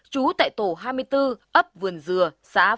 trú tại tổ hai mươi bốn ấp vườn dừa xã